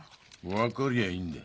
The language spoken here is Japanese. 分かりゃいいんだ。